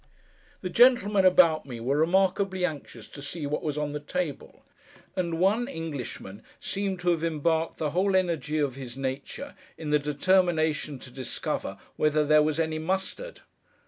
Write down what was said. The gentlemen about me were remarkably anxious to see what was on the table; and one Englishman seemed to have embarked the whole energy of his nature in the determination to discover whether there was any mustard.